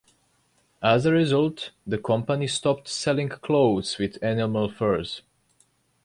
As a result, the company stopped selling clothes with animal furs.